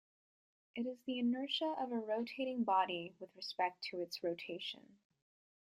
It is the inertia of a rotating body with respect to its rotation.